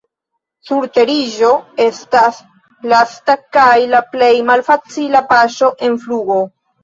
Surteriĝo estas lasta kaj la plej malfacila paŝo en flugo.